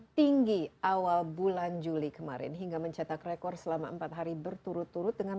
tinggi awal bulan juli kemarin hingga mencetak rekor selama empat hari berturut turut dengan